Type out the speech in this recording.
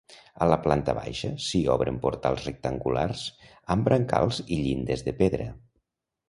A la planta baixa s'hi obren portals rectangulars amb brancals i llindes de pedra.